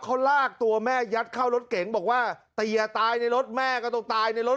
เขาลากตัวแม่ยัดเข้ารถเก๋งบอกว่าเตียตายในรถแม่ก็ต้องตายในรถ